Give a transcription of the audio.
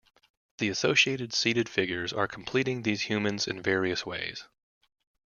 The associated seated figures are completing these humans in various ways.